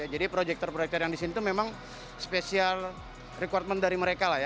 jadi proyektor proyektor yang di sini memang special requirement dari mereka